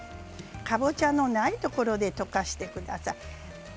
かぼちゃのないところで溶かしてください。